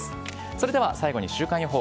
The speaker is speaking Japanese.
それでは最後に週間予報。